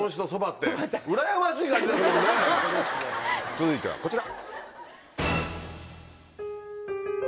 続いてはこちら。